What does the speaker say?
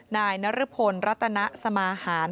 นายนรพลรัตนสมาหาร